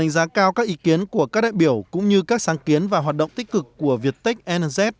giá cao các ý kiến của các đại biểu cũng như các sáng kiến và hoạt động tích cực của việt tech nnz